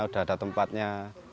udah ada tempatnya